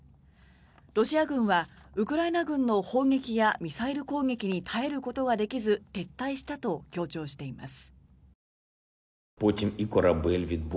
ロシア軍は、ウクライナ軍の砲撃やミサイル攻撃に耐えることができず撤退したと強調しています。